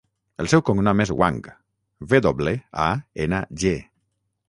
El seu cognom és Wang: ve doble, a, ena, ge.